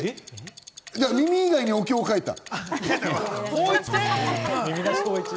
耳以外にお経を書いた。